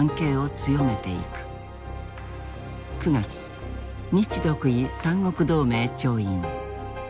９月日独伊三国同盟調印。